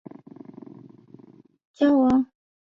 第五届大奖赛冠军。